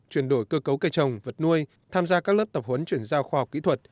chuyển đổi cơ cấu cây trồng vật nuôi tham gia các lớp tập huấn chuyển giao khoa học kỹ thuật